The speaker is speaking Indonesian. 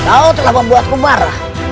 kau telah membuatku marah